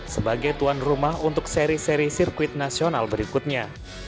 sebagai tuan rumah untuk seri seri sirkuit nasional berikutnya